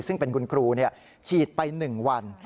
ซึ่งเป็นคุณครูฉีดไป๑วัน